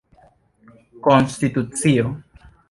konstitucio